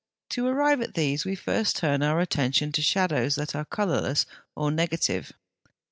To arrive at these we first turn our attention to shadows that are colourless or negative.